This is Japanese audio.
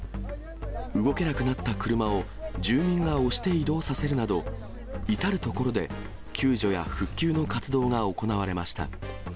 動けなくなった車を住民が押して移動させるなど、至る所で救助や復旧の活動が行われました。